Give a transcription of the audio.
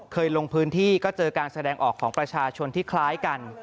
ลงพื้นที่ก็เจอการแสดงออกของประชาชนที่คล้ายกัน